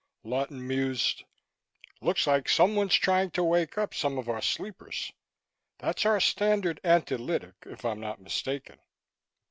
Lawton mused, "Looks like someone's trying to wake up some of our sleepers. That's our standard antilytic, if I'm not mistaken."